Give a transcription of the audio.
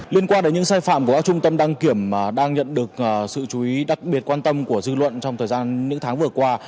liên quan đến những sai phạm của các trung tâm đăng kiểm đang nhận được sự chú ý đặc biệt quan tâm của dư luận trong thời gian những tháng vừa qua